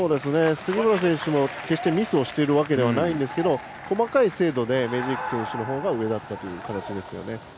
杉村選手も決してミスをしているわけじゃないですが細かい精度でメジークの選手が上だったという形ですね。